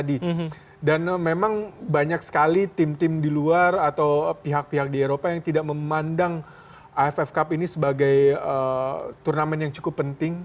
dan memang banyak sekali tim tim di luar atau pihak pihak di eropa yang tidak memandang aff cup ini sebagai turnamen yang cukup penting